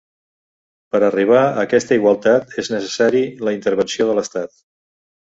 Per a arribar aquesta igualtat és necessari la intervenció de l'Estat.